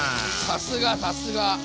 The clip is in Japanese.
さすがさすが。